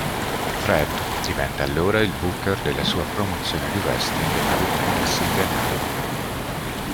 Fred diventa allora il booker della sua promozione di wrestling per riprendersi il denaro.